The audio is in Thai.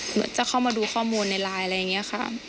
เหมือนจะเข้ามาดูข้อมูลในไลน์อะไรอย่างนี้ค่ะ